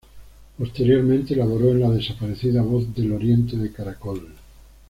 Posteriormente laboró en la desaparecida Voz del Oriente de Caracol.